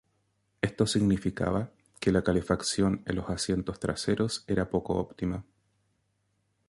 Esto significaba que la calefacción en los asientos traseros era poco óptima.